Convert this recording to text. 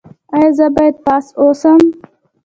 ایا زه باید پاس اوسم؟